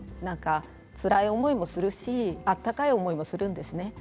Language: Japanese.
つらい思いもするし温かい思いもするんですね。